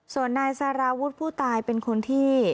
ส่วนนายสารวุฒิผู้ตายเป็นคนที่